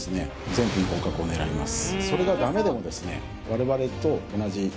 全品合格を狙います